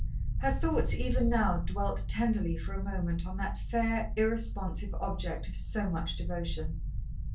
Her thoughts even now dwelt tenderly for a moment on that fair, irresponsive object of so much devotion.